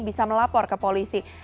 bisa melapor ke polisi